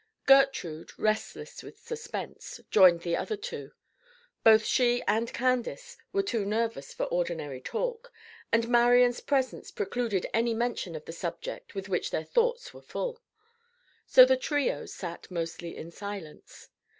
Gertrude, restless with suspense, joined the other two. Both she and Candace were too nervous for ordinary talk, and Marian's presence precluded any mention of the subject with which their thoughts were full; so the trio sat mostly in silence.